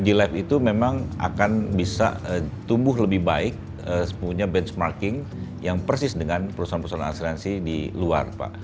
di lab itu memang akan bisa tumbuh lebih baik punya benchmarking yang persis dengan perusahaan perusahaan asuransi di luar pak